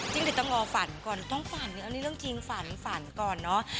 หรือต้องรอฝันก่อนต้องฝันเอานี่เรื่องจริงฝันฝันก่อนเนอะ